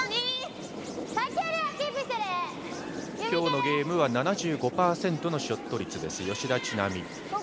今日のゲームは７５％のショット率です、吉田知那美。